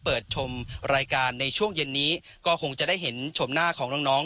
ชมรายการในช่วงเย็นนี้ก็คงจะได้เห็นชมหน้าของน้อง